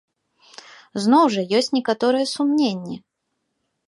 Зноў жа, ёсць некаторыя сумненні.